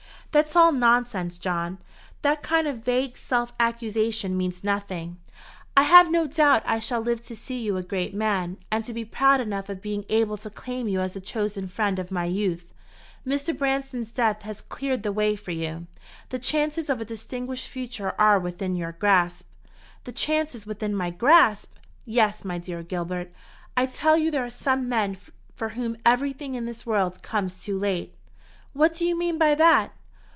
"That's all nonsense, John. That kind of vague self accusation means nothing. I have no doubt I shall live to see you a great man, and to be proud enough of being able to claim you as the chosen friend of my youth. Mr. Branston's death has cleared the way for you. The chances of a distinguished future are within your grasp." "The chances within my grasp! Yes. My dear Gilbert, I tell you there are some men for whom everything in this world comes too late." "What do you mean by that?"